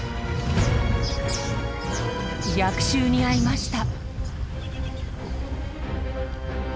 逆襲に遭いました。